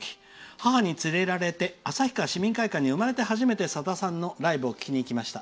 母に連れられて旭川市民会館に生まれて初めてさださんのライブを見に行きました。